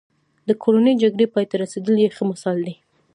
د کورنۍ جګړې پای ته رسېدل یې ښه مثال دی.